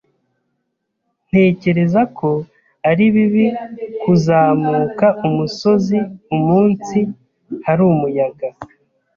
Ntekereza ko ari bibi kuzamuka umusozi umunsi hari umuyaga.